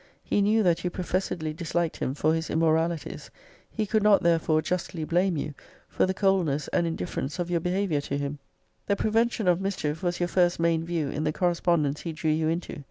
He knew that you pro fessedly disliked him for his immoralities; he could not, therefore, justly blame you for the coldness and indifference of your behaviour to him. >>> The prevention of mischief was your first main view in the correspondence he drew you into.